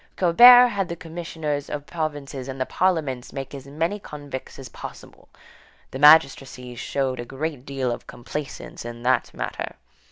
Colbert had the commissioners of provinces and the parliaments make as many convicts as possible. The magistracy showed a great deal of complaisance in the matter.